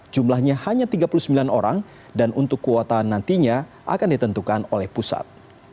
jumlahnya hanya tiga puluh sembilan orang dan untuk kuota nantinya akan ditentukan oleh pusat